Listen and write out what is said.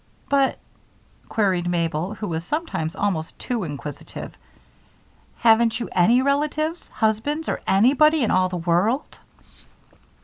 "But," queried Mabel, who was sometimes almost too inquisitive, "haven't you any relatives, husbands, or anybody, in all the world?"